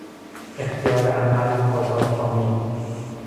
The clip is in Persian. اختیار عمل، آزادکامی